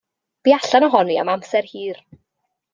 Bu allan ohoni am amser hir.